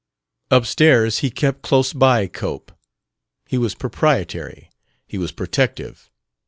Upstairs he kept close by Cope: he was proprietary; he was protective.